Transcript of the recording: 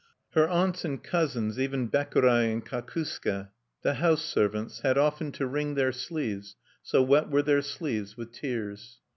Her aunts and cousins, even Bekurai and Kakusuke, the house servants, had often to wring their sleeves, so wet were their sleeves with tears.